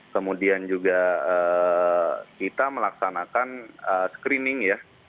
kemudian juga kita melaksanakan screening ya